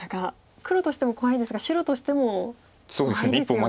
黒としても怖いですが白としても怖いですよね。